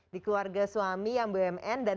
di keluarga suami yang bumn dan